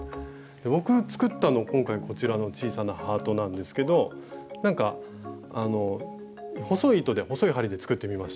僕作ったの今回こちらの小さなハートなんですけどなんか細い糸で細い針で作ってみました。